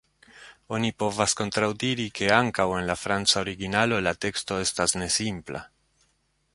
Oni povas kontraŭdiri, ke ankaŭ en la franca originalo la teksto estas ne simpla.